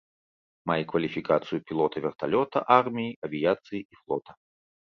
Мае кваліфікацыю пілота верталёта арміі авіяцыі і флота.